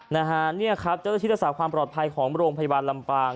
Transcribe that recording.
นะฮะเนี่ยครับเจ้าหน้าที่รักษาความปลอดภัยของโรงพยาบาลลำปาง